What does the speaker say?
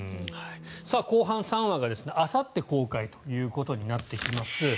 後半３話があさって公開ということになってきます。